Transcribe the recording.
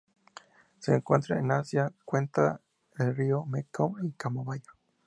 Se encuentran en Asia: cuenca del río Mekong en Camboya.